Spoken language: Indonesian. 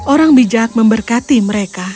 orang bijak memberkati mereka